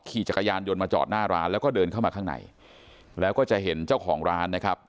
ขี่จักรยานยนต์มาจอดหน้าร้านแล้วก็เดินเข้ามาข้างในแล้วก็จะเห็นเจ้าของร้านนะครับ